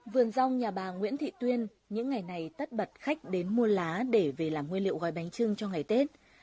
vườn rong nhà bà nguyễn thị tuyên những ngày này tất bật khách đến mua lá để về làm nguyên liệu gói bánh trưng cho ngày tết